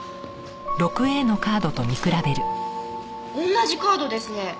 同じカードですね。